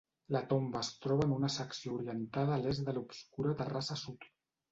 La tomba es troba en una secció orientada a l'est de l'obscura terrassa sud.